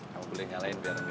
kamu boleh ngalahin biar gak